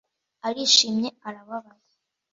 arishimye, arababaye.